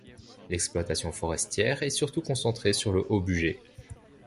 L'exploitation forestière est, surtout concentrée sur le Haut-Bugey.